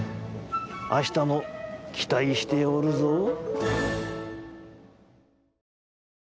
あしたもきたいしておるぞ。